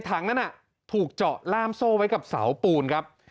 ถังนั้นถูกเจาะล่ามโซ่ไว้กับเสาปูนครับ